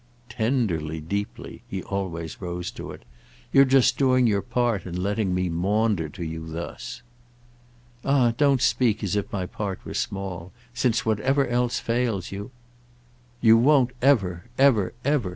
Tenderly, deeply"—he always rose to it. "You're just doing your part in letting me maunder to you thus." "Ah don't speak as if my part were small; since whatever else fails you—" "You won't, ever, ever, ever?"